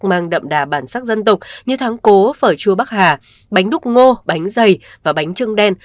mang đậm đà bản sắc dân tộc như thắng cố phở chua bắc hà bánh đúc ngô bánh dày và bánh trưng đen